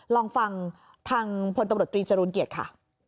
ลองฟังทางพันธบริปริธีจรวงเกียรติค่ะ